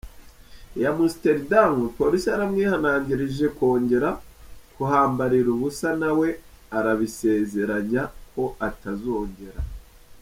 I Amsterdam: police yaramwihanangirije kongera kuhambarira ubusa nawe arabisezeranya ko atazongera .